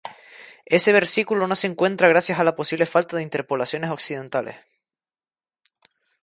Este versículo no se encuentra gracias a la posible falta de interpolaciones occidentales.